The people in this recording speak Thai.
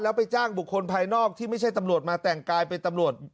แล้วไปจ้างบุคคลภายนอกที่ไม่ใช่ตำรวจมาแต่งกายเป็นตำรวจ